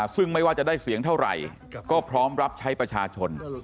ซึ่งไม่ว่าจะได้เสียงเท่าไหร่ก็พร้อมรับใช้ประชาชน